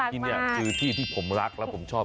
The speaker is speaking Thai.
ที่นี่คือที่ที่ผมรักและผมชอบ